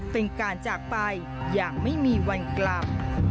เป็นการจากไปอย่างไม่มีวันกลับ